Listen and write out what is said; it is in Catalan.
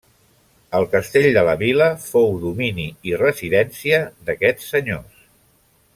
El castell de la vila fou domini i residència d'aquests senyors.